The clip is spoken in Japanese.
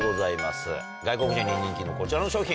外国人に人気のこちらの商品